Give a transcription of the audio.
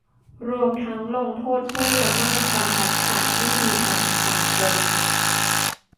รวมทั้งลงโทษผู้ละเมิดบรรทัดฐานที่ดีทางสังคม